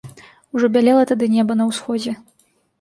Ужо бялела тады неба на ўсходзе.